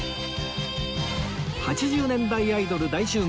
８０年代アイドル大集合！